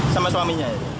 sama suaminya ya